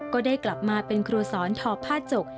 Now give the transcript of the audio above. ก็ได้กลับมาเป็นครัวศรทอภาษ์จก